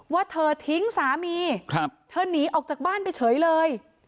ว่าเธอทิ้งสามีเธอหนีออกจากบ้านไปเฉยเลย